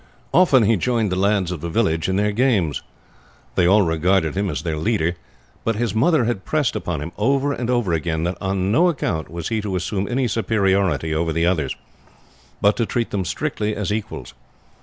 Often he joined the lads of the village in their games. They all regarded him as their leader; but his mother had pressed upon him over and over again that on no account was he to assume any superiority over the others, but to treat them strictly as equals.